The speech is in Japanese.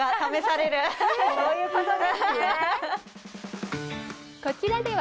そういうことですね。